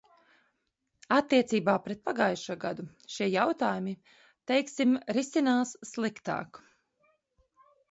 Attiecībā pret pagājušo gadu šie jautājumi, teiksim, risinās sliktāk.